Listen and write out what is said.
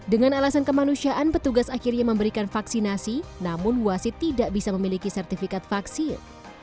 dengan alasan kemanusiaan petugas akhirnya memberikan vaksinasi namun wasit tidak bisa memiliki sertifikat vaksin